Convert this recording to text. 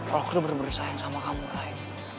kalau aku bener bener sayang sama kamu ray